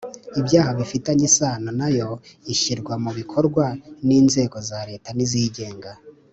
ibyaha bifitanye isano na yo ishyirwa mu bikorwa n’inzego za leta n’izigenga;